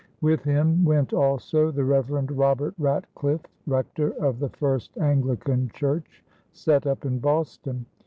With him went also the Reverend Robert Ratcliffe, rector of the first Anglican church set up in Boston.